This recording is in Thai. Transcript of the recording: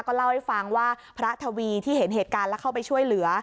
ก็เล่าให้ฟังว่าพระทวีที่เห็นเหตุการณ์แล้วเข้าไปช่วยเหลือ